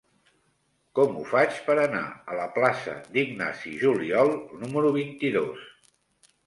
Com ho faig per anar a la plaça d'Ignasi Juliol número vint-i-dos?